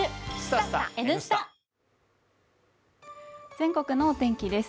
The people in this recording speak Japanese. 全国のお天気です